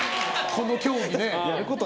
この競技ね。